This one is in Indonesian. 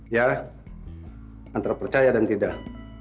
ya antara percaya dan tidak